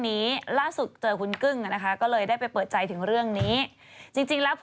มีอย่างมันก็โลกมะยาแล้วแหละ